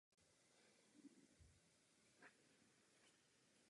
Výrazně ustoupila ze západních Čech a snad zcela ze severní Moravy.